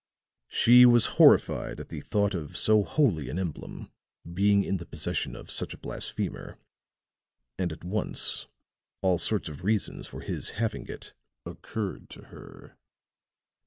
She was horrified at the thought of so holy an emblem being in the possession of such a blasphemer, and at once all sorts of reasons for his having it occurred to her.